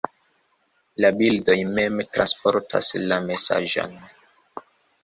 La bildoj mem transportas la mesaĝon.